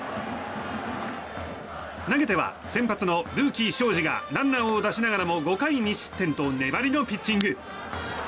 投げては先発のルーキー、荘司がランナーを出しながらも５回２失点と粘りのピッチング。